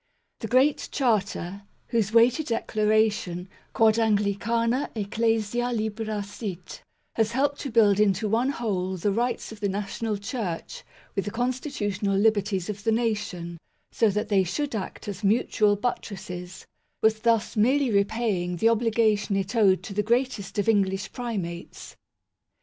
The Great Charter, whose weighty declaration " Quod Anglicana ecclesia libera sit," has helped to build into one whole the rights of the national Church with the constitutional liberties of the nation, so that they should act as mutual buttresses, was thus merely repaying the obligation it owed to the greatest of English pri mates.